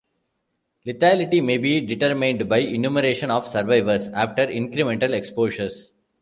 Lethality may be determined by enumeration of survivors after incremental exposures.